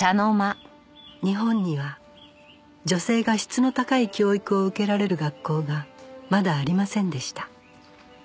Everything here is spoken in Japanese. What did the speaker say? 日本には女性が質の高い教育を受けられる学校がまだありませんでした